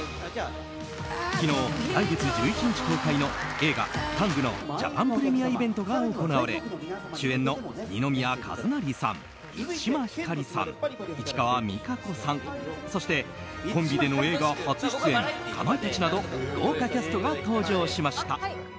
昨日、来月１１日公開の映画「ＴＡＮＧタング」のジャパンプレミアイベントが行われ主演の二宮和也さん満島ひかりさん、市川実日子さんそして、コンビでの映画初出演かまいたちなど豪華キャストが登場しました。